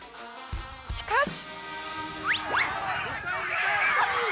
しかし。